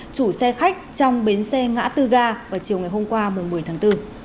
chủ xe khách trong bến xe ngã tư ga vào chiều ngày hôm qua một mươi tháng bốn